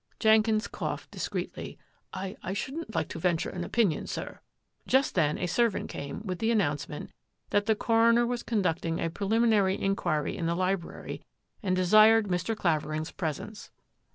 " Jenkins coughed discreetly. "I — I shouldn't like to venture an opinion, sir." Just then a servant came with the announce ment that the coroner was conducting a prelimi nary inquiry in the library and desired Mr. Claver ing's presence.